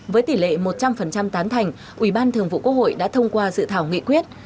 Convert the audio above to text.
với tỷ lệ một trăm linh tán thành ủy ban thường vụ quốc hội đã thông qua dự thảo nghị quyết